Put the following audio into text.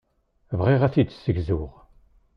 Bɣiɣ ad t-id-ssegzuɣ.